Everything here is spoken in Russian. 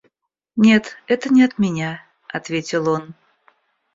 — Нет, это не от меня, — ответил он.